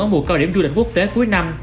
ở mùa cao điểm du lịch quốc tế cuối năm